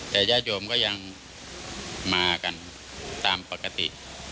แต่ญาติโยมก็ยังมากันตามปกติ